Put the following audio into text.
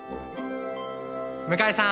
向井さん。